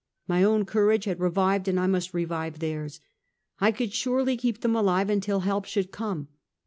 My own courage had revived, and I must revive theirs ; I could surely keep them alive until help should come.